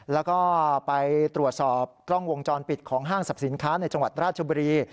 แล้วก็ไปตรวจสอบกล้องวงจรปิดของห้างสรรพสินค้าในจังหวัดราชบุรี